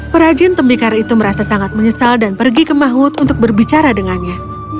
perajin tembikar itu merasa sangat menyesal dan pergi ke mahut untuk berbicara dengannya